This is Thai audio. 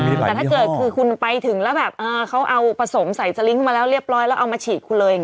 แต่ถ้าเกิดคุณไปถึงเขาเอาผสมไสสลิงค์มาแล้วเรียบร้อยแล้วเอามาฉีดคุณเลย